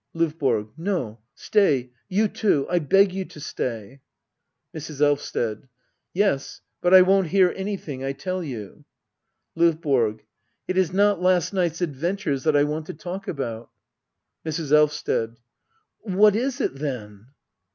LdVBORO. No, stay — ^you too. I beg you to stay. Mrs. Elvsted. Yes, but I won't hear an3rthmg, I tell you. LdVBORG. It is not last night's adventures that I want to talk about. Mrs. Elvsted. What is it then